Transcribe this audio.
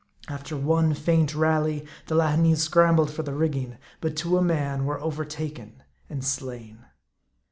After one faint rally, the Lahineese scrambled for the rigging ; but to a man were overtaken and slain.